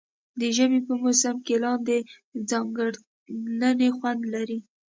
د ژمي په موسم کې لاندی ځانګړی خوند لري.